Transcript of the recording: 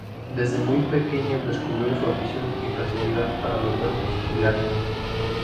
Desde muy pequeño descubrió su afición y facilidad para los versos y las rimas.